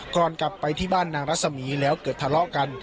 กลับไปที่บ้านนางรัศมีแล้วเกิดทะเลาะกัน